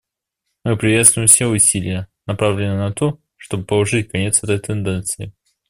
Мы приветствуем все усилия, направленные на то, чтобы положить конец этой тенденции.